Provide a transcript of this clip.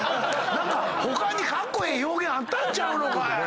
何か他にカッコエエ表現あったんちゃうのかい⁉